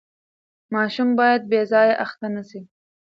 ماشوم باید بې ځایه اخته نه سي.